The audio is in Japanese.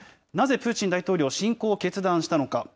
なぜプーチン大統領、侵攻を決断したのか？